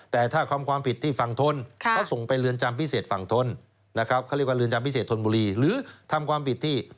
แต่ถ้าความผิดที่ฝั่งทนเขาส่งไปเรือนจำพิเศษฝั่งทนนะครับเขาเรียกว่าเรือนจำพิเศษทนบุรีหรือทำความผิดที่